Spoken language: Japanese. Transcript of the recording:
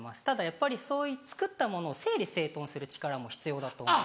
ただやっぱり作ったものを整理整頓する力も必要だと。